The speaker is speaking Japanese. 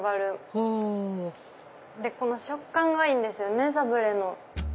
ホでこの食感がいいんですよねサブレの。